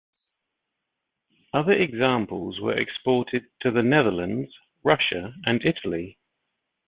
Other examples were exported to the Netherlands, Russia and Italy.